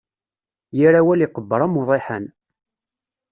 Yir awal iqebbeṛ am uḍiḥan.